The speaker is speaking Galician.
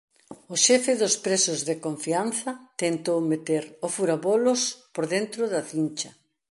O xefe dos presos de confianza tentou meter o furabolos por dentro da cincha.